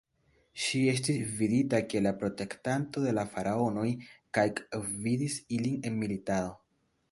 Ŝi estis vidita kiel la protektanto de la faraonoj kaj gvidis ilin en militado.